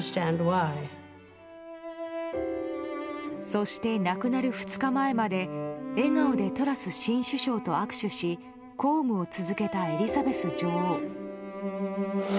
そして、亡くなる２日前まで笑顔でトラス新首相と握手し公務を続けたエリザベス女王。